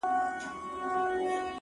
• په دا منځ کي چا نیولی یو عسکر وو ,